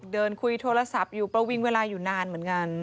เดินคุยโทรศัพท์อยู่ประวิงเวลาอยู่นานเหมือนกัน